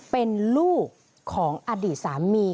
เป็นลูกของอดีตสามี